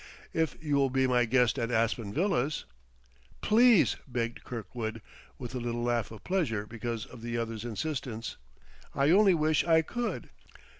If you will be my guest at Aspen Villas " "Please!" begged Kirkwood, with a little laugh of pleasure because of the other's insistence. "I only wish I could.